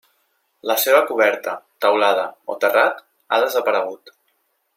La seva coberta, teulada o terrat, ha desaparegut.